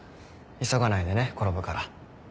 急がないでね転ぶから。